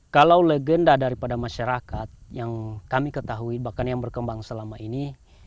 kalau legenda daripada masyarakat yang kami ketahui bahkan yang berkembang selama ini